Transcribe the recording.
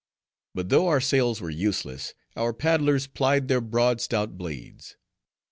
But though our sails were useless, our paddlers plied their broad stout blades.